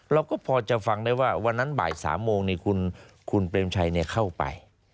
เราก็พอจะฟังได้ว่าวันนั้นบ่าย๓โมงคุณเปรมชัยเข้าไป